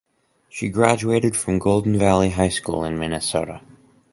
She graduated from Golden Valley High School in Minnesota.